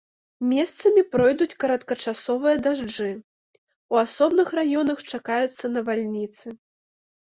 Месцамі пройдуць кароткачасовыя дажджы, у асобных раёнах чакаюцца навальніцы.